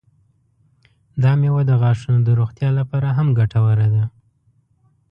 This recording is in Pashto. دا میوه د غاښونو د روغتیا لپاره هم ګټوره ده.